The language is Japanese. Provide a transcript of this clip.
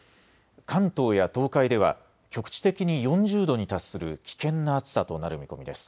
関東や東海では局地的に４０度に達する危険な暑さとなる見込みです。